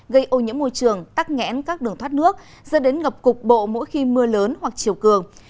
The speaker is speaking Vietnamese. gây ô nhiễm môi trường tắc nghẽn các đường thoát nước dẫn đến ngập cục bộ mỗi khi mưa lớn hoặc chiều cường